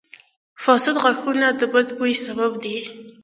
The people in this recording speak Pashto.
• فاسد غاښونه د بد بوي سبب دي.